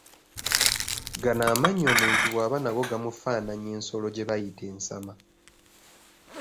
Gano amannyo omuntu bw’aba nago gamufaananya ensolo gye bayita ensama